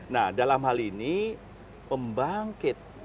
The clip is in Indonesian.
nah dalam hal ini pembangkit